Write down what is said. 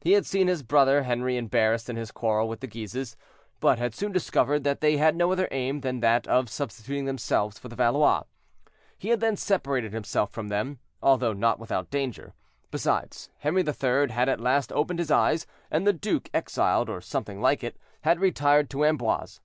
He had seen his brother Henri embarrassed in his quarrel with the Guises, but had soon discovered that they had no other aim than that of substituting themselves for the Valois. He had then separated himself from them, although not without danger; besides, Henri III. had at last opened his eyes, and the duke exiled, or something like it, had retired to Amboise.